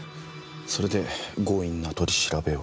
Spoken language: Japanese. それで強引な取り調べを。